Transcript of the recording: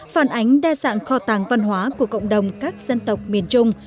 phản ánh đa dạng kho tàng văn hóa của cộng đồng các dân tộc miền trung